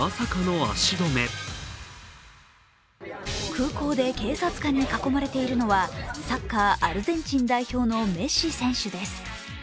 空港で警察官に囲まれているのはサッカー、アルゼンチン代表のメッシ選手です。